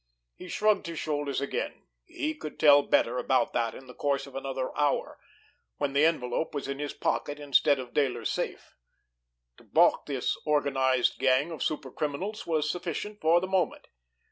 He shrugged his shoulders again. He could tell better about that in the course of another hour—when the envelope was in his pocket instead of Dayler's safe! To balk this organized gang of super criminals was sufficient for the moment!